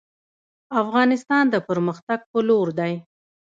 افغانستان د پرمختګ په لور دی